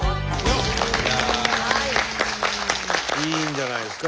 いいんじゃないですか？